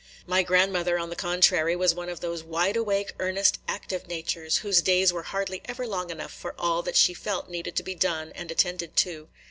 My grandmother, on the contrary, was one of those wide awake, earnest, active natures, whose days were hardly ever long enough for all that she felt needed to be done and attended to.